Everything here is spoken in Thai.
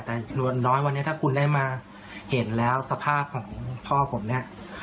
แต่ส่วนน้อยวันนี้ถ้าคุณได้มาเห็นแล้วสภาพของพ่อผมเนี่ย